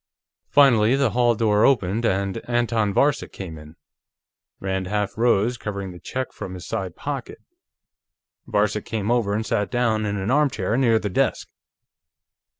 Finally, the hall door opened, and Anton Varcek came in. Rand half rose, covering the Czech from his side pocket; Varcek came over and sat down in an armchair near the desk.